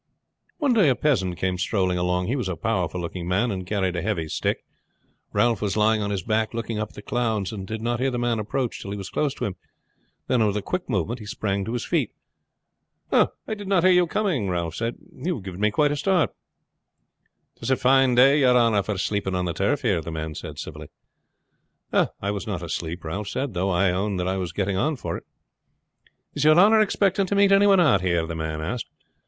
One day a peasant came strolling along. He was a powerful looking man and carried a heavy stick. Ralph was lying on his back looking up at the clouds and did not hear the man approach till he was close to him, then with a quick movement he sprang to his feet. "I did not hear you coming," he said. "You have given me quite a start." "It's a fine day, yer honor, for sleeping on the turf here," the man said civilly. "I was not asleep," Ralph said; "though I own that I was getting on for it." "Is yer honor expecting to meet any one here?" the man asked.